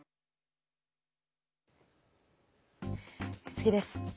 次です。